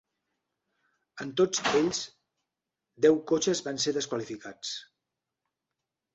En tots els, deu cotxes van ser desqualificats.